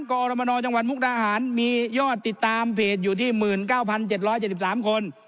กรมนจังหวัดมุกดาหารมียอดติดตามเพจอยู่ที่๑๙๗๗๓คน